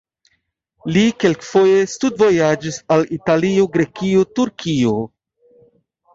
Li kelkfoje studvojaĝis al Italio, Grekio, Turkio.